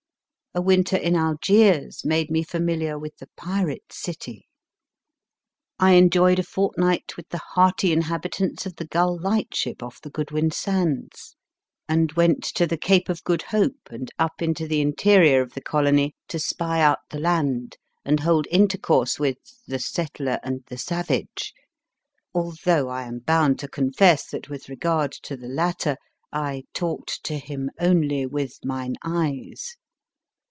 A winter in Algiers made me familiar with the Pirate City. I enjoyed M. BALLANTYNE 161 a fortnight with the hearty inhabitants of the Gull Lightship off the Goodwin Sands ; and went to the Cape of Good Hope MR. R. M. BALLAXTYXE and up into the interior of the Colony, to spy out the land and hold intercourse with The Settler and the Savage although I am bound to confess that, with regard to the latter, I talked M 162 MY FIRST BOOK to him only with mine eyes.